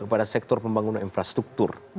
kepada sektor pembangunan infrastruktur